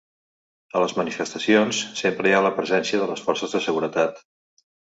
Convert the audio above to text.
A les manifestacions sempre hi ha la presència de les forces de seguretat.